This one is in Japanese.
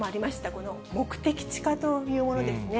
この目的地化というものですね。